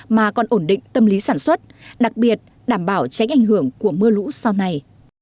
mà còn ổn định tâm lý sản xuất đặc biệt đảm bảo tránh ảnh hưởng của mưa lũ sau này